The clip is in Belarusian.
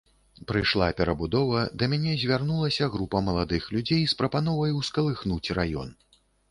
Прыйшла перабудова, да мяне звярнулася група маладых людзей з прапановай ускалыхнуць раён.